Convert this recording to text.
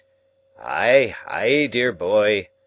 "Ay, ay, dear boy!"